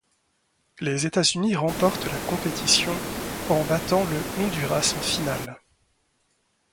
Les États-Unis remportent la compétition en battant le Honduras en finale.